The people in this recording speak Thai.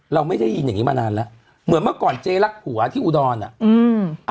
เราไม่ได้ยินอย่างงี้มานานแล้วเหมือนเมื่อก่อนเจ๊รักผัวที่อุดรอ่ะอืม